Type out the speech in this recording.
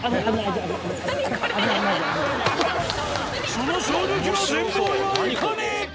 その衝撃の全貌やいかに！